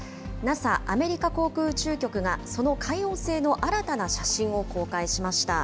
ＮＡＳＡ・アメリカ航空宇宙局が、その海王星の新たな写真を公開しました。